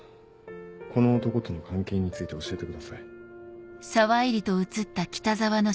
この男との関係について教えてください。